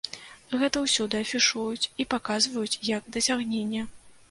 Гэта ўсюды афішуюць і паказваюць як дасягненне.